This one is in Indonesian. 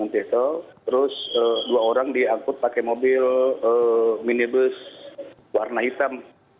terus dua orang diangkut pakai mobil minibus warna hitam